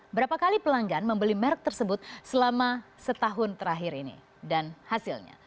berapa kali pelanggan membeli merek tersebut selama setahun terakhir ini dan hasilnya